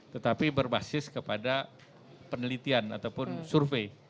tetapi berbasis kepada penelitian ataupun survei